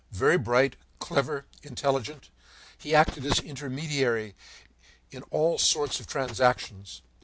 Very bright, clever, intelligent, he acted as intermediary in all sorts of transactions.